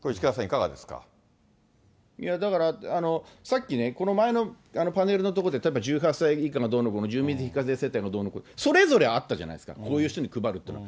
だから、さっきね、この前のパネルのところで、例えば１８歳以下がどうのこうの、住民税非課税世帯がどうのこうの、それぞれあったじゃないですか、こういう人に配るっていうのは。